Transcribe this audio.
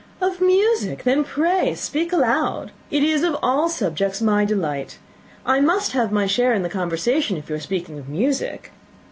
"Of music! Then pray speak aloud. It is of all subjects my delight. I must have my share in the conversation, if you are speaking of music.